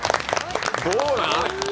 どうなん？